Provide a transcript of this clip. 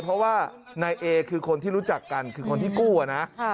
เพราะว่านายเอคือคนที่รู้จักกันคือคนที่กู้อะนะ